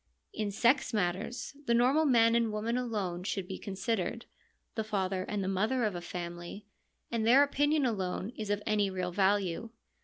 In sex matters the normal man and woman alone should be considered — the father and the mother of a family — and their opinion alone is of any real value.